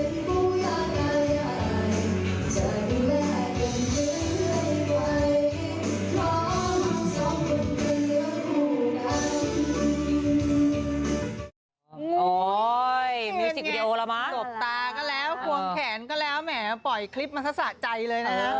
กวงแขนก็แล้วแหมปล่อยคลิปมาซะสะใจเลยค่ะ